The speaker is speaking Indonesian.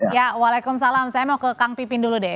ya waalaikumsalam saya mau ke kang pipin dulu deh